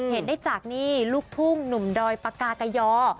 เห็นได้จากนี่ลูกทุ่งหนุ่มดอยปากากยอ